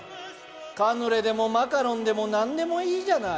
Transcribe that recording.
カヌレでもマカロンでも何でもいいじゃない。